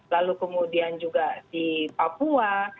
lalu kemudian juga di papua